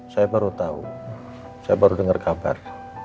saya baru tahu saya baru dengar kabar